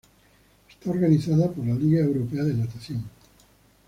Está organizada por la Liga Europea de Natación.